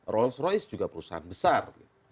rolls royce juga perusahaan besar